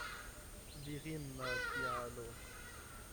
Virina kialo.